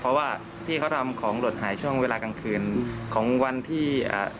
เพราะว่าที่เขาทำของหลดหายช่วงเวลากลางคืนของวันที่อ่า